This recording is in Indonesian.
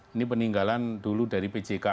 ini peninggalan dulu dari pjk